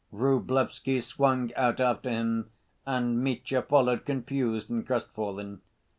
Vrublevsky swung out after him, and Mitya followed, confused and crestfallen.